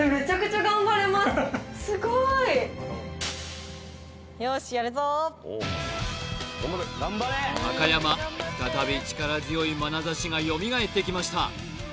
すごい高山再び力強いまなざしがよみがえってきました